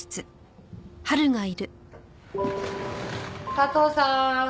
佐藤さーん。